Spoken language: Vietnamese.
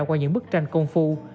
qua những bức tranh công phu